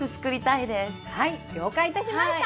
はい了解いたしました！